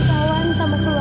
sama sama dengan aida